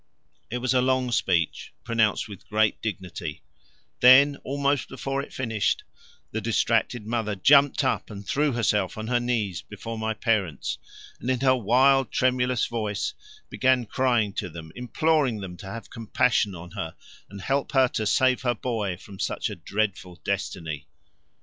It was a long speech, pronounced with great dignity; then, almost before it finished, the distracted mother jumped up and threw herself on her knees before my parents, and in her wild tremulous voice began crying to them, imploring them to have compassion on her and help her to save her boy from such a dreadful destiny.